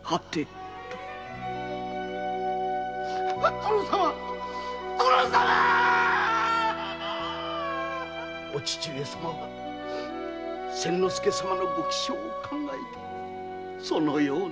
〔殿様！〕お父上様は千之助様のご気性を考えてそのように。